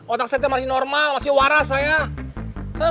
otak saya masih normal masih waras saya